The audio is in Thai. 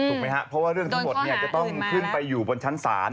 ไหมครับเพราะว่าเรื่องทั้งหมดจะต้องขึ้นไปอยู่บนชั้นศาล